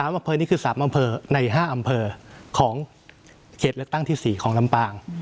อำเภอนี้คือ๓อำเภอใน๕อำเภอของเขตเลือกตั้งที่๔ของลำปาง